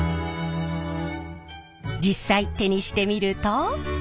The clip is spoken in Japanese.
実際手にしてみると。